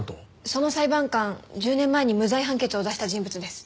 その裁判官１０年前に無罪判決を出した人物です。